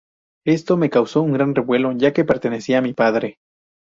Esto me causó un gran revuelo ya que pertenecía a mi padre.